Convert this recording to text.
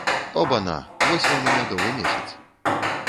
Оба-на, вось вам і мядовы месяц!